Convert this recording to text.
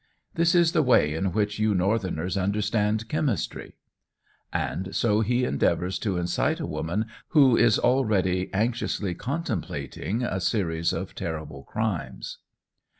This is the way in which you northerners understand chemistry." And so he endeavours to incite a woman, who is already anxiously contemplating a series of terrible crimes.